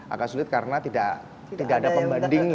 agak sulit karena tidak ada pembanding